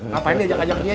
ngapain nih ajak ajak dia